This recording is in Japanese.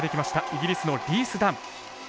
イギリスのリース・ダン。